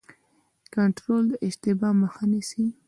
کنټرول د اشتباه مخه نیسي